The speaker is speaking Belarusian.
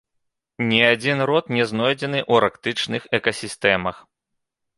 Ні адзін род не знойдзены ў арктычных экасістэмах.